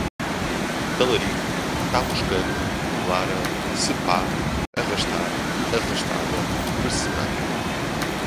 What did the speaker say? talarico, ta moscando, lara, se pá, arrastar, arrastada, mercenária